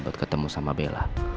buat ketemu sama bella